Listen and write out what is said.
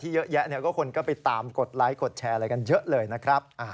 เยอะแยะก็คนก็ไปตามกดไลค์กดแชร์อะไรกันเยอะเลยนะครับ